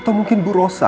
atau mungkin bu rosa